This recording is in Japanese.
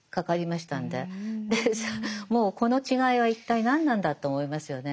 でもうこの違いは一体何なんだと思いますよね。